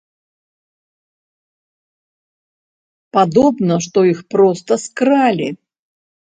Падобна, што іх проста скралі!